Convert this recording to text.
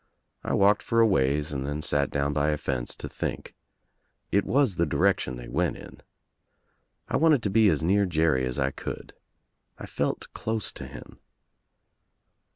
I walked for a ways and then sat down by a fence to think. It was the direction they went in. I wanted to be as near Jerry as I could. I felt close to him.